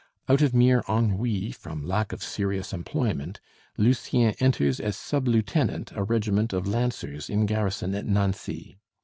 Out of mere ennui from lack of serious employment, Lucien enters as sub lieutenant a regiment of Lancers in garrison at Nancy.